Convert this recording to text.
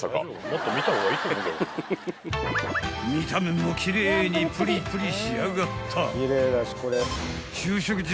［見た目も奇麗にプリプリ仕上がった］